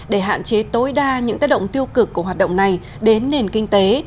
để hạn chế tối đa những tác động tiêu cực của hoạt động này đến nền kinh tế